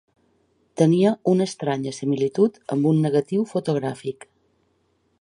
Tenia una estranya similitud amb un negatiu fotogràfic.